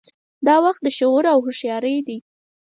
دا وخت د شعور او هوښیارۍ دی.